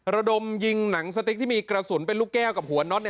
ระดมยิงหนังสติ๊กที่มีกระสุนเป็นลูกแก้วกับหัวน็อต